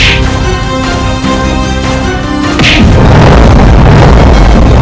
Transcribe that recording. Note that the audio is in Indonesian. ibu nang akan selamatkan ibu